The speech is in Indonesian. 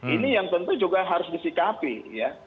ini yang tentu juga harus disikapi ya